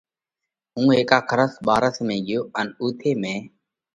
ھُون ھيڪا کرس (ٻارس) ۾ ڳيو ان اُوٿئہ مئين